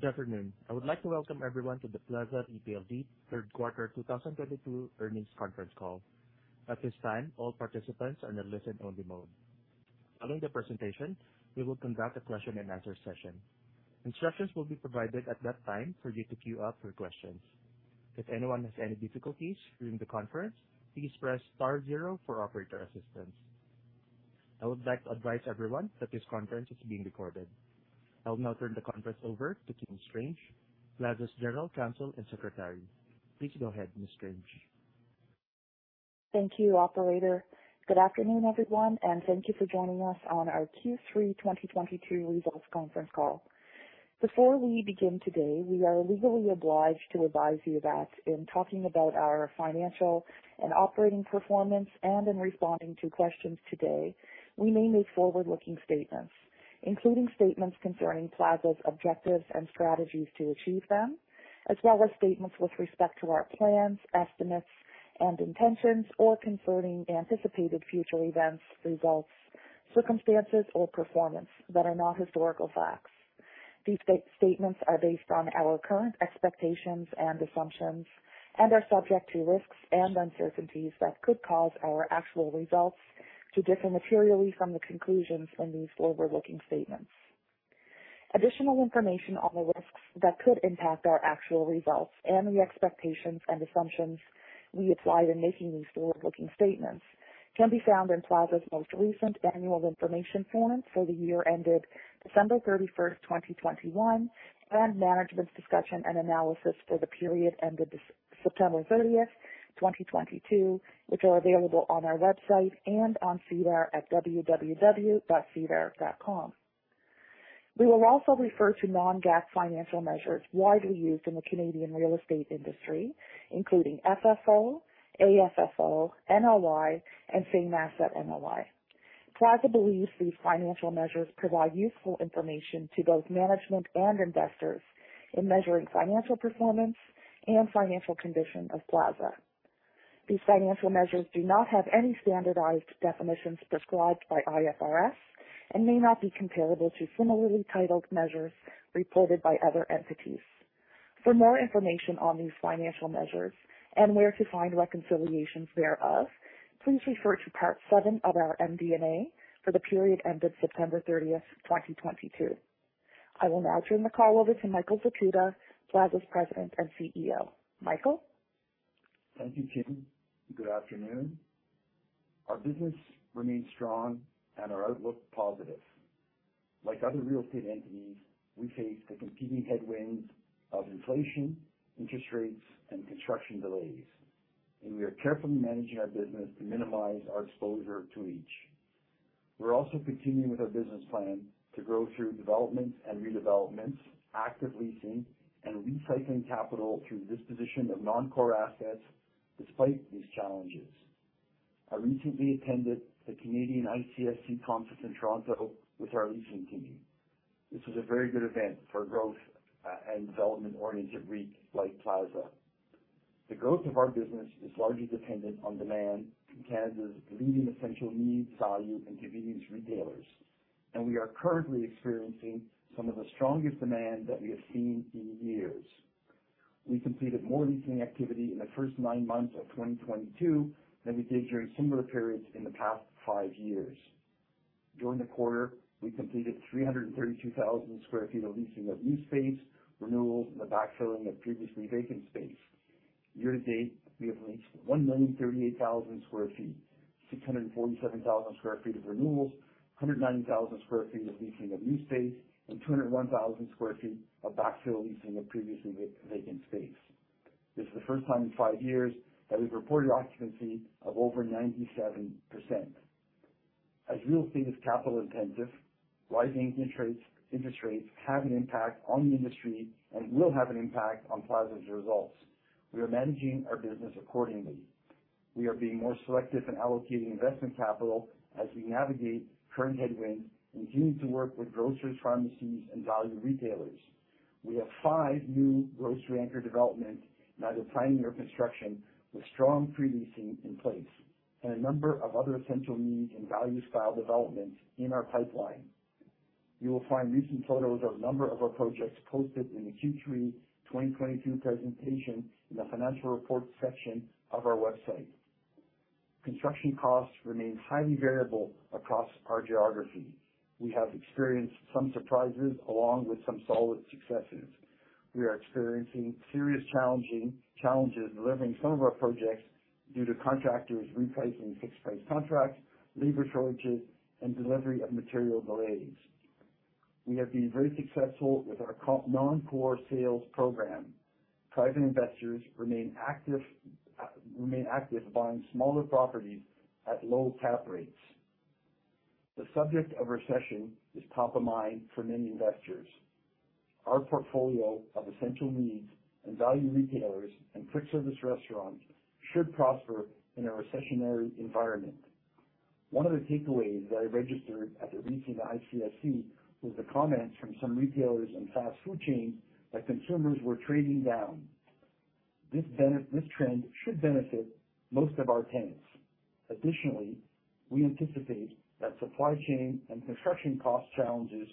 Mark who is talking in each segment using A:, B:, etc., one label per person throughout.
A: Good afternoon. I would like to welcome everyone to the Plaza REIT third quarter 2022 earnings conference call. At this time, all participants are in listen only mode. During the presentation, we will conduct a question and answer session. Instructions will be provided at that time for you to queue up your questions. If anyone has any difficulties during the conference, please press star zero for operator assistance. I would like to advise everyone that this conference is being recorded. I will now turn the conference over to Kimberly Strange, Plaza's General Counsel and Secretary. Please go ahead, Ms. Strange.
B: Thank you, operator. Good afternoon, everyone, and thank you for joining us on our Q3 2022 results conference call. Before we begin today, we are legally obliged to advise you that in talking about our financial and operating performance and in responding to questions today, we may make forward-looking statements, including statements concerning Plaza's objectives and strategies to achieve them, as well as statements with respect to our plans, estimates, and intentions, or concerning anticipated future events, results, circumstances, or performance that are not historical facts. These statements are based on our current expectations and assumptions and are subject to risks and uncertainties that could cause our actual results to differ materially from the conclusions in these forward-looking statements. Additional information on the risks that could impact our actual results and the expectations and assumptions we apply in making these forward-looking statements can be found in Plaza's most recent Annual Information Form for the year ended 31st December 2021, and Management's Discussion and Analysis for the period ended 30th September 2022, which are available on our website and on SEDAR at www.sedar.com. We will also refer to non-GAAP financial measures widely used in the Canadian real estate industry, including FFO, AFFO, NOI, and Same-Asset NOI. Plaza believes these financial measures provide useful information to both management and investors in measuring financial performance and financial condition of Plaza. These financial measures do not have any standardized definitions prescribed by IFRS and may not be comparable to similarly titled measures reported by other entities. For more information on these financial measures and where to find reconciliations thereof, please refer to part seven of our MD&A for the period ended 30th September 2022. I will now turn the call over to Michael Zakuta, Plaza's President and CEO. Michael?
C: Thank you, Kim. Good afternoon. Our business remains strong and our outlook positive. Like other real estate entities, we face the competing headwinds of inflation, interest rates, and construction delays, and we are carefully managing our business to minimize our exposure to each. We're also continuing with our business plan to grow through developments and redevelopments, active leasing, and recycling capital through disposition of non-core assets despite these challenges. I recently attended the Canadian ICSC conference in Toronto with our leasing team. This was a very good event for growth and development-oriented REIT like Plaza. The growth of our business is largely dependent on demand from Canada's leading essential needs, value, and convenience retailers, and we are currently experiencing some of the strongest demand that we have seen in years. We completed more leasing activity in the first nine months of 2022 than we did during similar periods in the past five years. During the quarter, we completed 332,000 sq ft of leasing of new space, renewals, and the backfilling of previously vacant space. Year to date, we have leased 1,038,000 sq ft, 647,000 sq ft of renewals, 190,000 sq ft of leasing of new space, and 201,000 sq ft of backfill leasing of previously vacant space. This is the first time in five years that we've reported occupancy of over 97%. As real estate is capital intensive, rising interest rates have an impact on the industry and will have an impact on Plaza's results. We are managing our business accordingly. We are being more selective in allocating investment capital as we navigate current headwinds and continue to work with grocers, pharmacies, and value retailers. We have five new grocery anchor developments now that are planning their construction with strong pre-leasing in place and a number of other essential needs and value style developments in our pipeline. You will find recent photos of a number of our projects posted in the Q3 2022 presentation in the financial report section of our website. Construction costs remain highly variable across our geography. We have experienced some surprises along with some solid successes. We are experiencing serious challenges delivering some of our projects due to contractors repricing fixed price contracts, labor shortages, and material delivery delays. We have been very successful with our non-core sales program. Private investors remain active buying smaller properties at low cap rates. The subject of recession is top of mind for many investors. Our portfolio of essential needs and value retailers and quick service restaurants should prosper in a recessionary environment. One of the takeaways that I registered at the recent ICSC was the comments from some retailers and fast food chains that consumers were trading down. This trend should benefit most of our tenants. Additionally, we anticipate that supply chain and construction cost challenges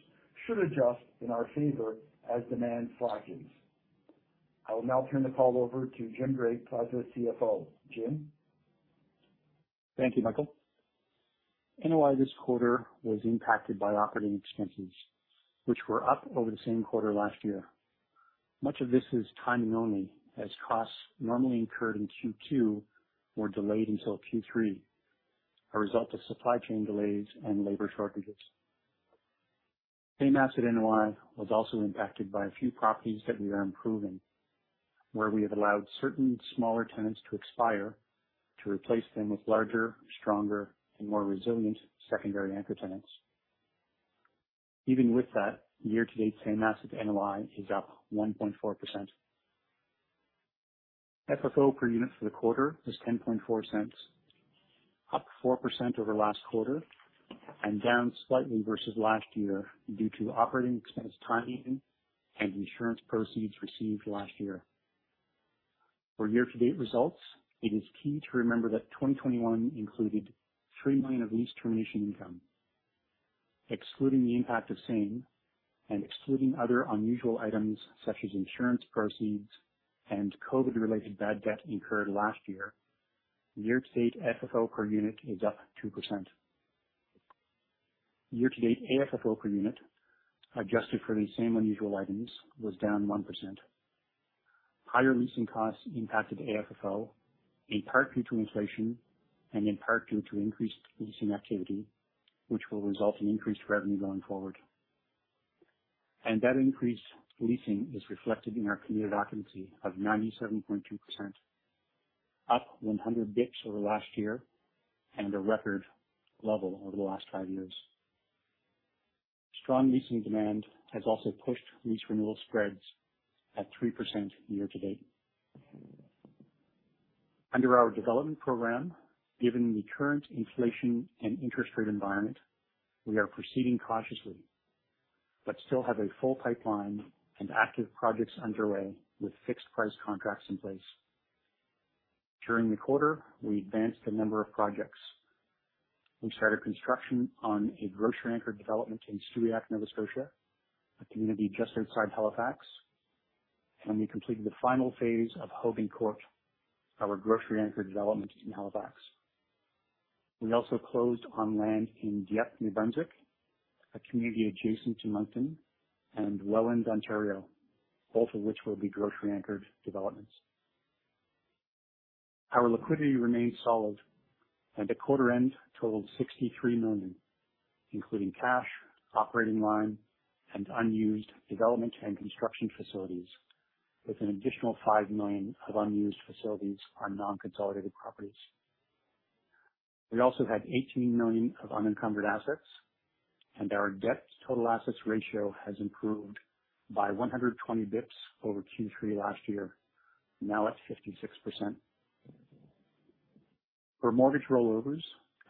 C: should adjust in our favor as demand slackens. I will now turn the call over to Jim Drake, Plaza CFO. Jim?
D: Thank you, Michael. NOI this quarter was impacted by operating expenses, which were up over the same quarter last year. Much of this is timing only, as costs normally incurred in Q2 were delayed until Q3, a result of supply chain delays and labor shortages. Same-Asset NOI was also impacted by a few properties that we are improving, where we have allowed certain smaller tenants to expire to replace them with larger, stronger, and more resilient secondary anchor tenants. Even with that, year-to-date, Same-Asset NOI is up 1.4%. FFO per unit for the quarter was 0.104, up 4% over last quarter and down slightly versus last year due to operating expense timing and insurance proceeds received last year. For year-to-date results, it is key to remember that 2021 included 3 million of lease termination income. Excluding the impact of same-asset and excluding other unusual items such as insurance proceeds and COVID-related bad debt incurred last year-to-date FFO per unit is up 2%. Year-to-date AFFO per unit, adjusted for these same unusual items, was down 1%. Higher leasing costs impacted AFFO, in part due to inflation and in part due to increased leasing activity, which will result in increased revenue going forward. That increased leasing is reflected in our community occupancy of 97.2%, up 100 basis points over last year and a record level over the last 5 years. Strong leasing demand has also pushed lease renewal spreads at 3% year-to-date. Under our development program, given the current inflation and interest rate environment, we are proceeding cautiously, but still have a full pipeline and active projects underway with fixed price contracts in place. During the quarter, we advanced a number of projects. We started construction on a grocery anchored development in Shubenacadie, Nova Scotia, a community just outside Halifax, and we completed the final phase of Hogan Court, our grocery anchored development in Halifax. We also closed on land in Dieppe, New Brunswick, a community adjacent to Moncton and Welland, Ontario, both of which will be grocery anchored developments. Our liquidity remains solid and at quarter end totaled 63 million, including cash, operating line, and unused development and construction facilities with an additional 5 million of unused facilities on non-consolidated properties. We also had 18 million of unencumbered assets, and our debt to total assets ratio has improved by 120 basis points over Q3 last year, now at 56%. For mortgage rollovers,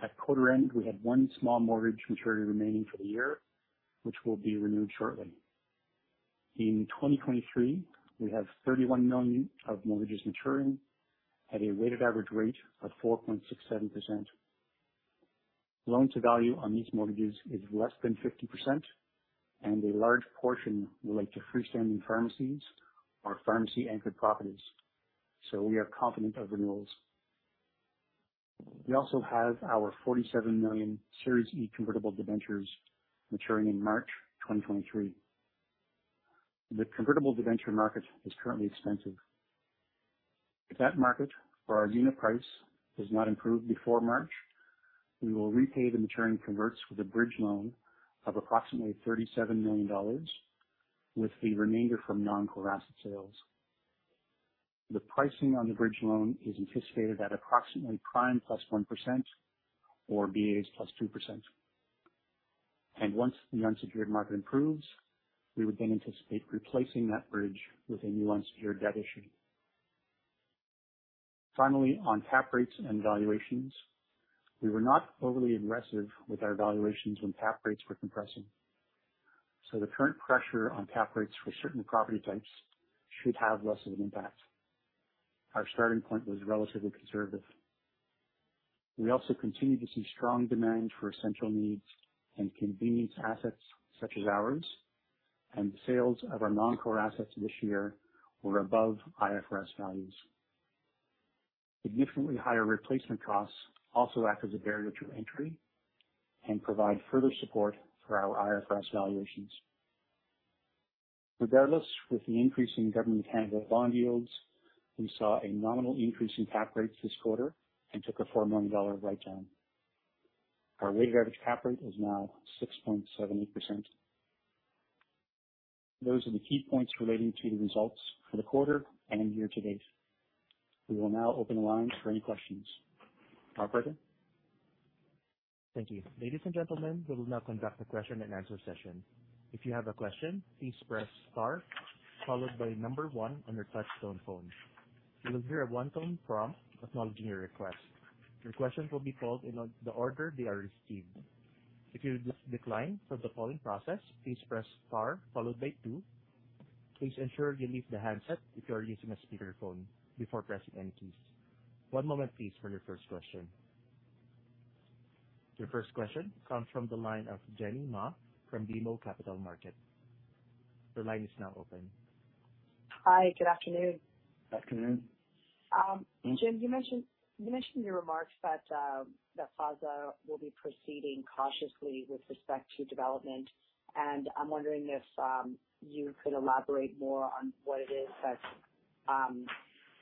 D: at quarter end, we had one small mortgage maturity remaining for the year, which will be renewed shortly. In 2023, we have 31 million of mortgages maturing at a weighted average rate of 4.67%. Loan to value on these mortgages is less than 50%, and a large portion relate to freestanding pharmacies or pharmacy anchored properties. We are confident of renewals. We also have our 47 million Series E convertible debentures maturing in March 2023. The convertible debenture market is currently expensive. If that market for our unit price has not improved before March, we will repay the maturing converts with a bridge loan of approximately 37 million dollars with the remainder from non-core asset sales. The pricing on the bridge loan is anticipated at approximately prime plus 1% or BA+ 2%. Once the unsecured market improves, we would then anticipate replacing that bridge with a new unsecured debt issue. Finally, on cap rates and valuations, we were not overly aggressive with our valuations when cap rates were compressing. The current pressure on cap rates for certain property types should have less of an impact. Our starting point was relatively conservative. We also continue to see strong demand for essential needs and convenience assets such as ours, and the sales of our non-core assets this year were above IFRS values. Significantly higher replacement costs also act as a barrier to entry and provide further support for our IFRS valuations. Regardless, with the increase in Government of Canada bond yields, we saw a nominal increase in cap rates this quarter and took a 4 million dollar write down. Our weighted average cap rate is now 6.78%. Those are the key points relating to the results for the quarter and year to date. We will now open the lines for any questions. Operator?
A: Thank you. Ladies and gentlemen, we will now conduct a question and answer session. If you have a question, please press star followed by number one on your touchtone phone. You will hear a one-tone prompt acknowledging your request. Your questions will be called in the order they are received. If you would like to decline from the following process, please press star followed by two. Please ensure you leave the handset if you are using a speakerphone before pressing any keys. One moment please for your first question. Your first question comes from the line of Jenny Ma from BMO Capital Markets. Your line is now open.
E: Hi. Good afternoon.
C: Afternoon.
E: Jim, you mentioned in your remarks that Plaza will be proceeding cautiously with respect to development. I'm wondering if you could elaborate more on what it is that's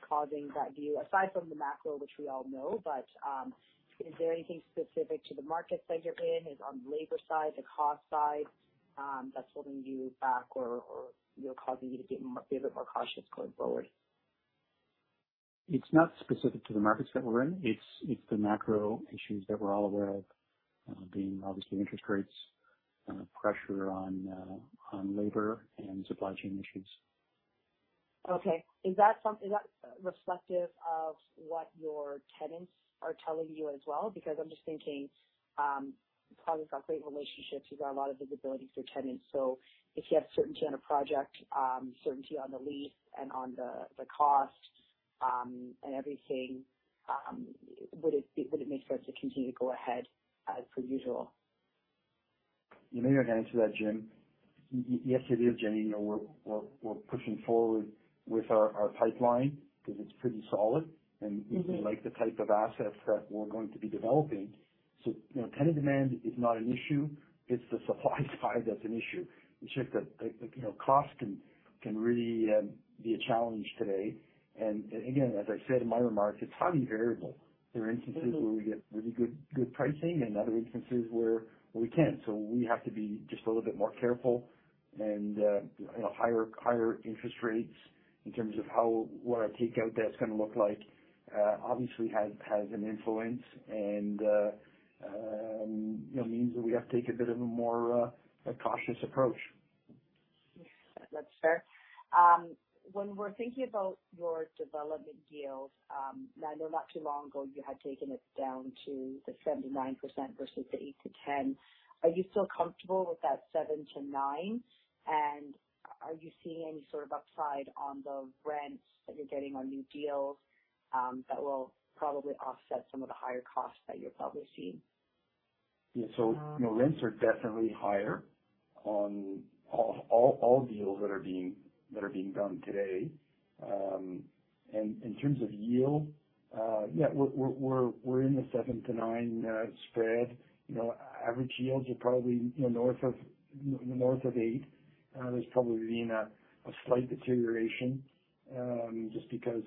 E: causing that view, aside from the macro, which we all know. Is there anything specific to the markets that you're in? Is it on the labor side, the cost side, that's holding you back or, you know, causing you to be a bit more cautious going forward?
D: It's not specific to the markets that we're in. It's the macro issues that we're all aware of, being obviously interest rates, pressure on labor and supply chain issues.
E: Okay. Is that reflective of what your tenants are telling you as well? Because I'm just thinking, you probably have great relationships. You've got a lot of visibility to your tenants. If you have certainty on a project, certainty on the lease and on the cost, and everything, would it make sense to continue to go ahead as per usual?
C: You may wanna answer that, Jim. Yes, it is, Jenny. You know, we're pushing forward with our pipeline because it's pretty solid.
E: Mm-hmm.
C: We like the type of assets that we're going to be developing. You know, tenant demand is not an issue. It's the supply side that's an issue. It's just that, like, you know, cost can really be a challenge today. Again, as I said in my remarks, it's highly variable. There are instances where we get really good pricing and other instances where we can't. We have to be just a little bit more careful and, you know, higher interest rates in terms of how our take-out debt is gonna look like. Obviously has an influence and, you know, means that we have to take a bit of a more cautious approach.
E: That's fair. When we're thinking about your development deals, I know not too long ago you had taken it down to the 79% versus the 8%-10%. Are you still comfortable with that 7%-9%? Are you seeing any sort of upside on the rents that you're getting on new deals, that will probably offset some of the higher costs that you're probably seeing?
C: Yeah. You know, rents are definitely higher on all deals that are being done today. In terms of yield, yeah, we're in the 7%-9% spread. You know, average yields are probably, you know, north of 8%. There's probably been a slight deterioration just because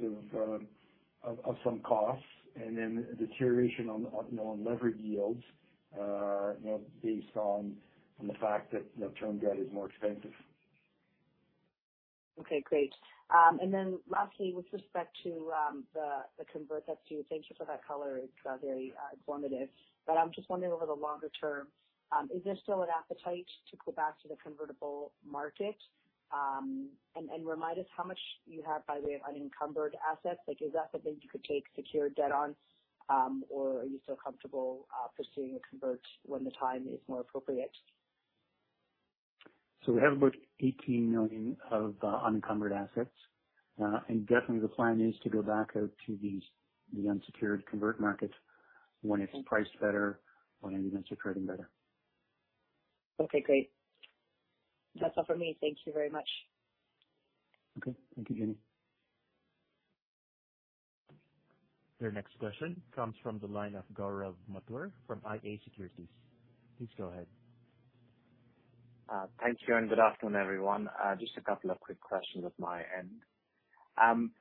C: of some costs and then deterioration on, you know, on levered yields, you know, based on the fact that, you know, term debt is more expensive.
E: Okay, great. Lastly, with respect to the convert. Thank you for that color. It's very informative. I'm just wondering over the longer term, is there still an appetite to go back to the convertible market? Remind us how much you have by way of unencumbered assets. Like, is that something you could take secured debt on, or are you still comfortable pursuing a convert when the time is more appropriate?
C: We have about 18 million of unencumbered assets. Definitely the plan is to go back out to the unsecured convertible market when it's priced better, when our units are trading better.
E: Okay, great. That's all for me. Thank you very much.
C: Okay. Thank you, Jenny.
A: Your next question comes from the line of Gaurav Mathur from iA Securities. Please go ahead.
F: Thank you, and good afternoon, everyone. Just a couple of quick questions at my end.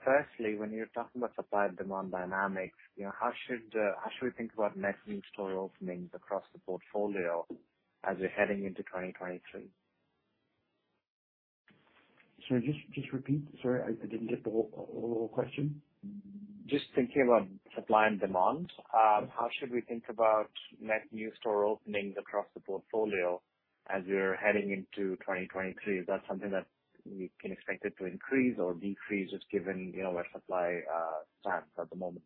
F: Firstly, when you're talking about supply and demand dynamics, you know, how should we think about net new store openings across the portfolio as we're heading into 2023?
C: Sorry, just repeat. Sorry, I didn't get the whole question.
F: Just thinking about supply and demand. How should we think about net new store openings across the portfolio as we're heading into 2023? Is that something that we can expect it to increase or decrease just given, you know, where supply stands at the moment?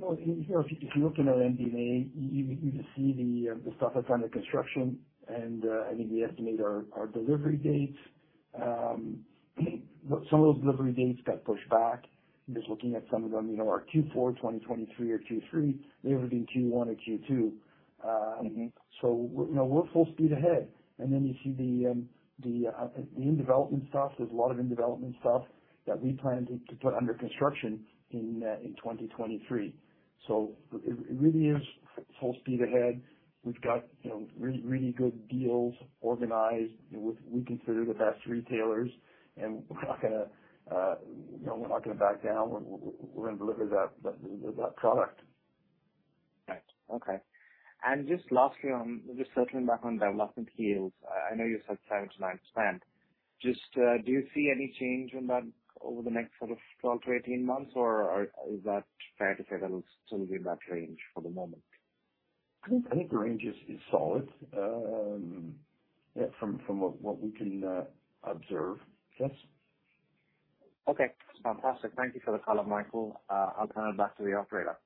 C: No. If you know, if you look in our MD&A, you can see the stuff that's under construction. I mean, we estimate our delivery dates. But some of those delivery dates got pushed back. Just looking at some of them, you know, are Q4 2023 or Q3. They would have been Q1 or Q2.
F: Mm-hmm.
C: We're full speed ahead. You see the in-development stuff. There's a lot of in-development stuff that we plan to put under construction in 2023. It really is full speed ahead. We've got, you know, really good deals organized with what we consider the best retailers, and we're not gonna, you know, back down. We're gonna deliver that product.
F: Right. Okay. Just lastly, just circling back on development yields. I know you said 7-9%. Just, do you see any change in that over the next sort of 12-18 months, or is that fair to say that'll still be in that range for the moment?
C: I think the range is solid. Yeah, from what we can observe. Yes.
F: Okay. Fantastic. Thank you for the call, Michael. I'll turn it back to the operator.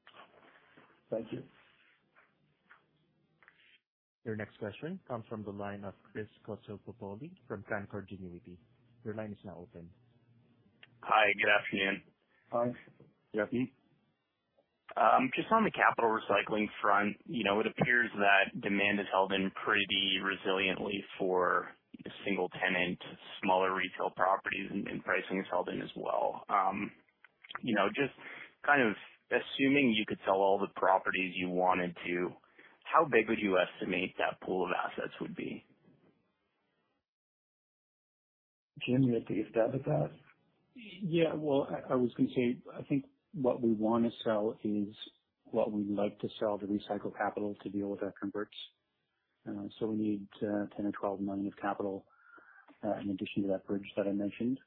C: Thank you.
A: Your next question comes from the line of Chris Koutsopoulos from Canaccord Genuity. Your line is now open.
G: Hi, good afternoon.
C: Hi, good afternoon.
G: Just on the capital recycling front, you know, it appears that demand is held in pretty resiliently for the single tenant, smaller retail properties and pricing is held in as well. You know, just kind of assuming you could sell all the properties you wanted to, how big would you estimate that pool of assets would be?
C: Jim, you want to take a stab at that?
D: Yeah, well, I was gonna say, I think what we wanna sell is what we'd like to sell to recycle capital to deal with our converts. We need 10-12 million of capital, in addition to that bridge that I mentioned.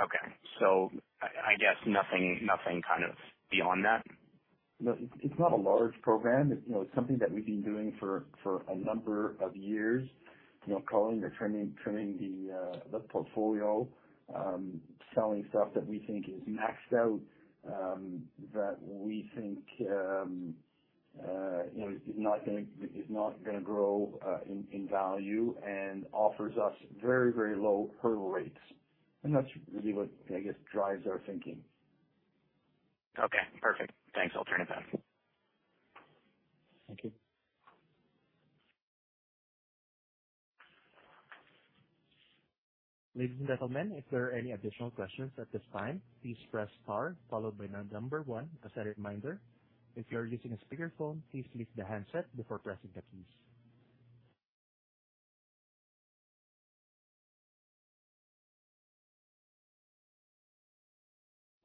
G: Okay. I guess nothing kind of beyond that.
C: No, it's not a large program. It's, you know, it's something that we've been doing for a number of years. You know, culling or trimming the portfolio, selling stuff that we think is maxed out, that we think, you know, is not gonna grow in value and offers us very low hurdle rates. That's really what, I guess, drives our thinking.
G: Okay, perfect. Thanks. I'll turn it back.
C: Thank you.
A: Ladies and gentlemen, if there are any additional questions at this time, please press star followed by 1. As a reminder, if you're using a speakerphone, please lift the handset before pressing the keys.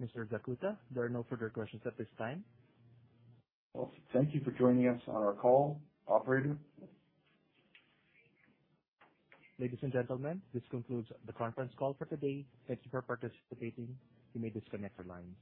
A: Mr. Zakuta, there are no further questions at this time.
C: Well, thank you for joining us on our call. Operator.
A: Ladies and gentlemen, this concludes the conference call for today. Thank you for participating. You may disconnect your lines.